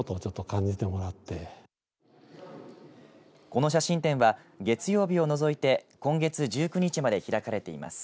この写真展は月曜日を除いて今月１９日まで開かれています。